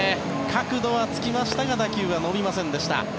角度はつきましたが打球は伸びませんでした。